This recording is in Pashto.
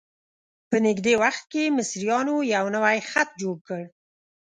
په نږدې وخت کې مصریانو یو نوی خط جوړ کړ.